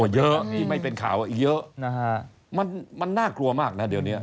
เยอะที่ไม่เป็นข่าวอีกเยอะนะฮะมันน่ากลัวมากนะเดี๋ยวนี้